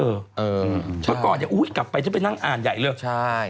พอก่อนอย่างเงี้ยอู้ยกลับไปจะไปนั่งอ่านใหญ่เลย